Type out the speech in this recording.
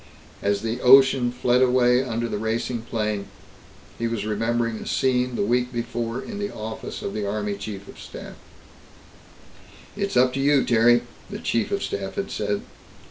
As the ocean fled away under the racing plane, he was remembering a scene the week before in the office of the Army Chief of Staff. "It's up to you, Terry," the Chief of Staff had said.